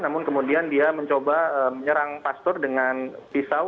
namun kemudian dia mencoba menyerang pastor dengan pisau